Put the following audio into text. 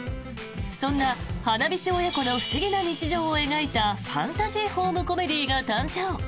そんな花火師親子の不思議な日常を描いたファンタジーホームコメディーが誕生。